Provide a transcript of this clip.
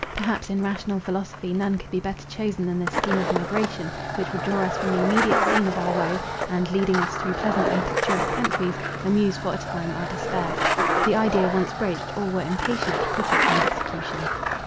Perhaps in rational philosophy none could be better chosen than this scheme of migration, which would draw us from the immediate scene of our woe, and, leading us through pleasant and picturesque countries, amuse for a time our despair. The idea once broached, all were impatient to put it in execution.